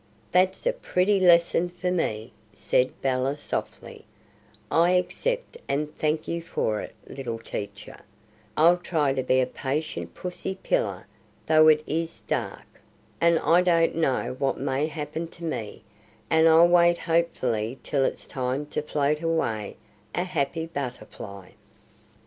"That's a pretty lesson for rne," said Bella softly, "I accept and thank you for it, little teacher; I'll try to be a patient 'pussy pillar' though it is dark, and I don't know what may happen to me; and I'll wait hopefully till it's time to float away a happy butterfly."